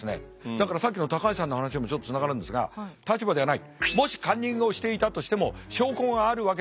だからさっきの高橋さんの話にもちょっとつながるんですが立場じゃない。